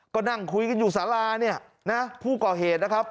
ก็นั่งคุยกันอยู่สาราเนี่ยนะผู้ก่อเหตุนะครับ